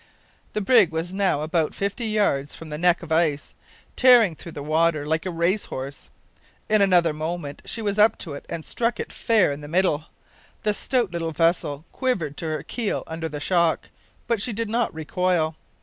The brig was now about fifty yards from the neck of ice, tearing through the water like a race horse. In another moment she was up to it and struck it fair in the middle. The stout little vessel quivered to her keel under the shock, but she did not recoil.